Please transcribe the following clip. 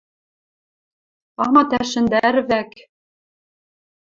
Амат ӓшӹндӓрӹ вӓк...